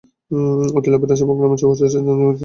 অতি লাভের আশায় গ্রামের বহু চাষি ধানি জমিতে তামাক চাষ করছেন।